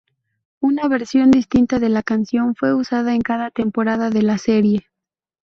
Una versión distinta de la canción fue usada en cada temporada de la serie.